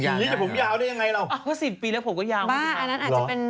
ผมยาวได้อย่างไรหรือเปล่าอ๋อเพราะ๑๐ปีแล้วผมก็ยาวมากเลยค่ะบ้าอันนั้นอาจจะเป็น